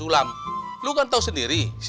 umi gak mau ikut